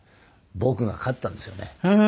僕が勝ったんですよね。